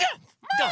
どう？